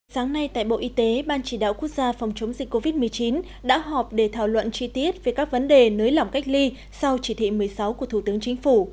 sáng nay tại bộ y tế ban chỉ đạo quốc gia phòng chống dịch covid một mươi chín đã họp để thảo luận chi tiết về các vấn đề nới lỏng cách ly sau chỉ thị một mươi sáu của thủ tướng chính phủ